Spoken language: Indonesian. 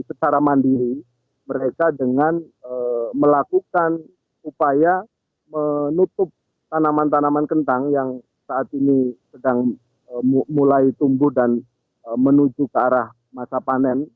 secara mandiri mereka dengan melakukan upaya menutup tanaman tanaman kentang yang saat ini sedang mulai tumbuh dan menuju ke arah masa panen